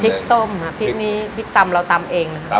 พริกต้มพริกนี้พริกตำเราตำเองนะฮะ